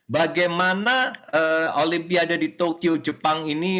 bagaimana olimpiade di tokyo jepang ini